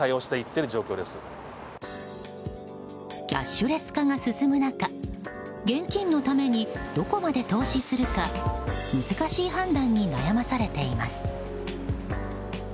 キャッシュレス化が進む中現金のためにどこまで投資するか難しい判断に悩まされています。